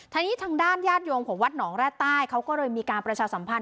ทีนี้ทางด้านญาติโยมของวัดหนองแร่ใต้เขาก็เลยมีการประชาสัมพันธ